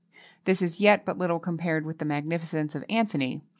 This is yet but little compared with the magnificence of Antony.